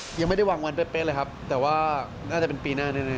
ยังไม่ได้วางวันเป๊ะเลยครับแต่ว่าน่าจะเป็นปีหน้าแน่